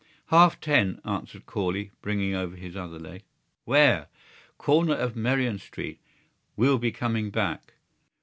"Half ten," answered Corley, bringing over his other leg. "Where?" "Corner of Merrion Street. We'll be coming back."